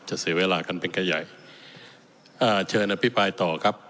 เสียเวลากันเป็นแก่ใหญ่อ่าเชิญอภิปรายต่อครับ